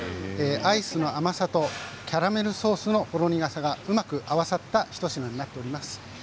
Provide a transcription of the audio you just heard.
アイスの甘さと、カラメルソースのほろ苦さがうまく合わさった一品になっております。